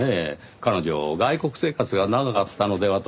彼女外国生活が長かったのではと思いましてね。